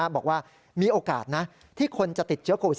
บอกว่ามีโอกาสนะที่คนจะติดเชื้อโควิด๑